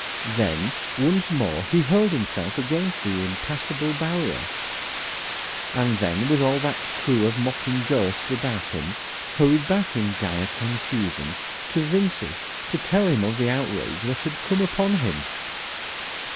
Then once more he hurled himself against the impassable barrier, and then with all that crew of mocking ghosts about him, hurried back in dire confusion to Vincey to tell him of the outrage that had come upon him.